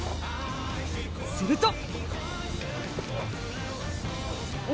すると！